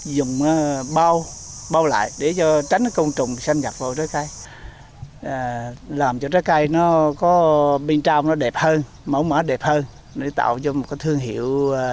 chúng tôi dùng bao bao lại để cho tránh công trùng sanh nhập vào trái cây làm cho trái cây nó có bên trong nó đẹp hơn mẫu mỡ đẹp hơn để tạo cho một cái thương hiệu